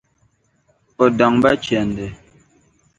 O daŋ ba chɛndi.